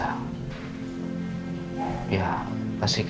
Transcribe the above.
ya kita akan berbicara lagi